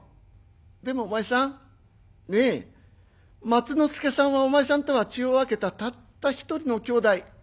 でもお前さん。ねえ松之助さんはお前さんとは血を分けたたった一人の兄弟。